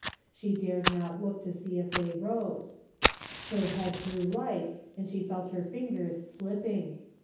She dared not look to see if they rose. Her head grew light, and she felt her fingers slipping.